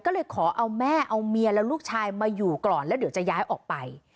ก็เลยขอเอาแม่เอาเมียแล้วลูกชายมาอยู่ก่อนแล้วเดี๋ยวจะย้ายออกไป